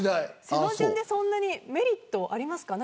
背の順にそんなにメリットありますか。